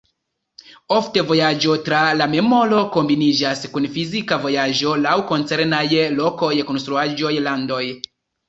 Ofte, vojaĝo tra la memoro kombiniĝas kun fizika vojaĝo laŭ koncernaj lokoj, konstruaĵoj, landoj.